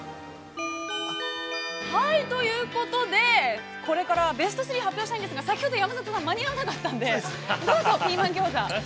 ◆ということで、これから、ベスト３を発表したいんですが、先ほど山里さん、間に合わなかったので、どうぞ、ピーマンギョーザ。